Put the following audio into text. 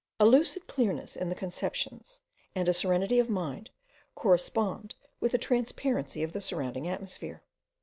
A lucid clearness in the conceptions, and a serenity of mind, correspond with the transparency of the surrounding atmosphere.